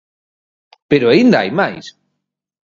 Pero aínda hai mais.